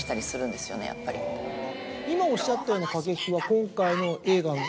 今おっしゃったような駆け引きは今回の映画の。